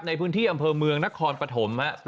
ในพื้นที่อำเภอเมืองนครปฐม